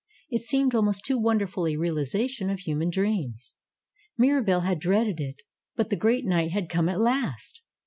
It seemed almost too wonderful a realization of human dreams. Mirabelle had dreaded it; but the great night had come at last!